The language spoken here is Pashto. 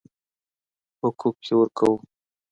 حقوق يې ورکوو.